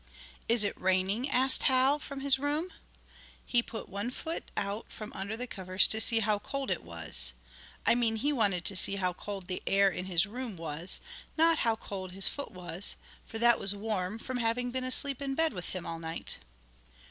"Is it raining?" asked Hal, from his room. He put one foot out from under the covers to see how cold it was I mean he wanted to see how cold the air in his room was not how cold his foot was; for that was warm, from having been asleep in bed with him all night.